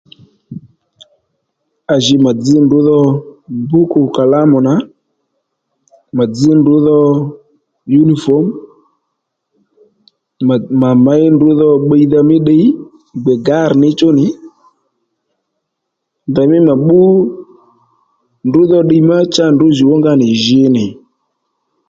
À jì mà dzž ndrǔ dho bǔkù kàlámù nà mà dzž ndrǔ dhò yǔnífòm mà mà měy ndrǔ dho bbiydha mí ddiy gbè gârr níchú nì ndèymí mà bbú ndrǔ dho ddiy ma cha ndrǔ jùw ónga nì jǐ nì